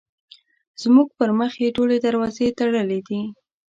زموږ پر مخ یې ټولې دروازې تړلې دي.